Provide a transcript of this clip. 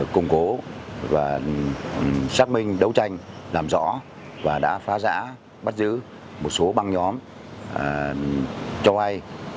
công cố và xác minh đấu tranh làm rõ và đã phá giã bắt giữ một số băng nhóm cho vay